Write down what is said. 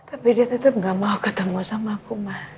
tapi dia tetep gak mau ketemu sama aku ma